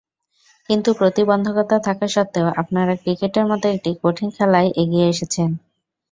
কিন্তু প্রতিবন্ধকতা থাকা সত্ত্বেও আপনারা ক্রিকেটের মতো একটি কঠিন খেলায় এগিয়ে এসেছেন।